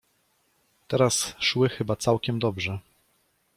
— Teraz szły chyba całkiem dobrze?